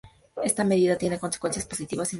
Esta medida tiene consecuencias positivas y negativas.